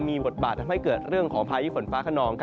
มีบทบาททำให้เกิดเรื่องของพายุฝนฟ้าขนอง